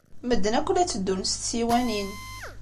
Medden akk la tteddun s tsiwanin.